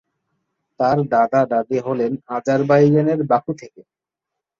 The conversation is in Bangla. তাঁর দাদা-দাদি হলেন আজারবাইজানের বাকু থেকে।